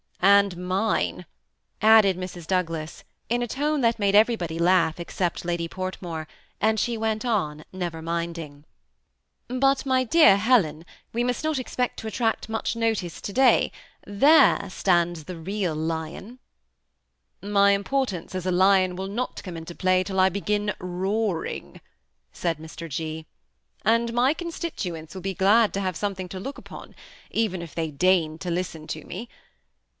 " And mine," added Mrs. Douglas, in a tone that made everybody laugh except Lady Portmore, and she went on, never minding. 188 THE 8BMI ATTACHBD COUPLE. '^ But, my dear Helen, we must not expect to attract much notice to day. There stands the real lion." *^ My importance as a lion will not come into play till I begin roaring," said Mr. G. ;" and my constituents will be glad to have something to look upon, even if they deign to listen to me.